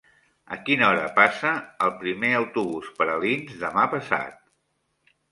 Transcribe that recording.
A quina hora passa el primer autobús per Alins demà passat?